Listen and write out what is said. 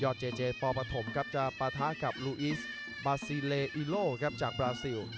เจเจปฐมครับจะปะทะกับลูอิสบาซีเลอิโลครับจากบราซิล